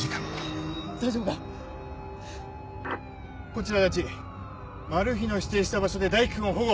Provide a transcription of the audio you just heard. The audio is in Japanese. こちら足達マルヒの指定した場所で大樹君を保護。